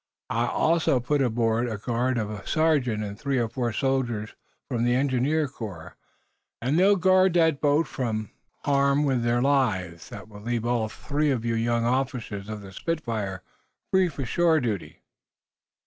I'll also put aboard a guard of a sergeant and three or four soldiers of the engineer corps, and they'll guard that boat from harm with their lives. That will leave all three of you young officers of the 'Spitfire' free for shore duty."